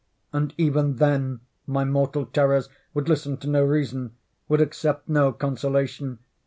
And, even then, my mortal terrors would listen to no reason—would accept no consolation.